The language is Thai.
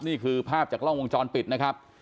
นี่คือภาพจากกล้องวงจรปิดนะครับ